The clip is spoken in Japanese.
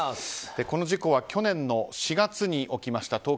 この事故は去年の４月に起きました。